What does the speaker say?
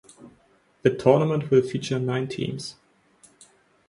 The tournament will feature nine teams.